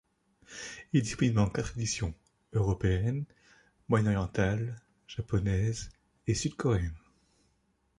Il est disponible en quatre éditions: européenne, moyen-orientale, japonaise et sud-coréennes.